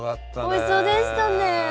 おいしそうでしたね。